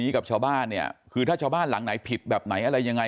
กับชาวบ้านเนี่ยคือถ้าชาวบ้านหลังไหนผิดแบบไหนอะไรยังไง